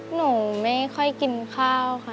หนูไม่ค่อยกินข้าวค่ะ